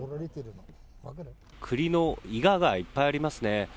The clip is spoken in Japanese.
栗のイガがいっぱいありますね。